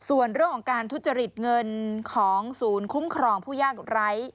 ส่วนเรื่องของการทุจริตเงินของศูนย์คุ้มครองผู้ยากไร้